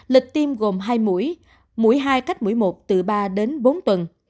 lịch tiêm gồm hai mũi mũi hai cách mũi một từ ba đến bốn tuần